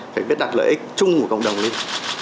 phải đặt lợi ích chung của cộng đồng lên